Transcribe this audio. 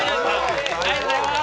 ありがとうございます。